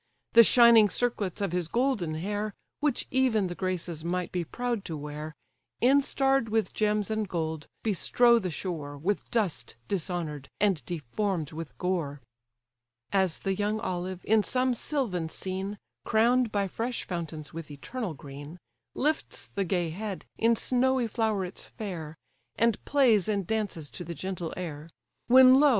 The shining circlets of his golden hair, Which even the Graces might be proud to wear, Instarr'd with gems and gold, bestrow the shore, With dust dishonour'd, and deform'd with gore. As the young olive, in some sylvan scene, Crown'd by fresh fountains with eternal green, Lifts the gay head, in snowy flowerets fair, And plays and dances to the gentle air; When lo!